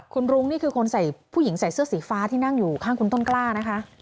คุณรุ้งนี่คือคนใส่ผู้หญิงใส่เสื้อสีฟ้าที่นั่งอยู่ข้างคุณต้นกล้านะคะ